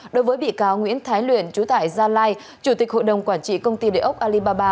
đối với bị cáo nguyễn thái luyện chú tại gia lai chủ tịch hội đồng quản trị công ty địa ốc alibaba